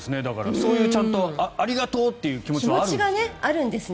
そういうちゃんとありがとうという気持ちがあるんですね。